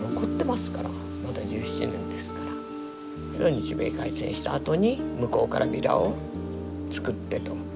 日米開戦したあとに向こうからビラを作ってと。